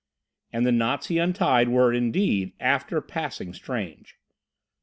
And the knots he untied were, indeed, after passing strange.